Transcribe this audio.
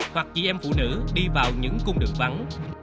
hoặc chị em phụ nữ đi vào những cung đường vắng